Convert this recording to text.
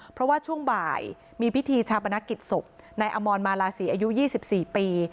เพราะว่าช่วงบ่ายมีพิธีชาปนกิจศพนายอมรมาลาศีอายุ๒๔ปี